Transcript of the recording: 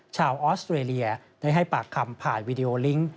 ออสเตรเลียได้ให้ปากคำผ่านวีดีโอลิงค์